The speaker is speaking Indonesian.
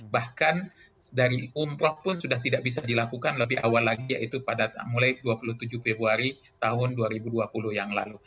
bahkan dari umroh pun sudah tidak bisa dilakukan lebih awal lagi yaitu pada mulai dua puluh tujuh februari tahun dua ribu dua puluh yang lalu